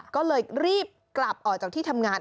ก็เลยรีบกลับออกจากที่ทำงาน